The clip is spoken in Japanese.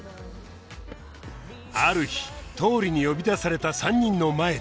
ある日倒理に呼び出された３人の前で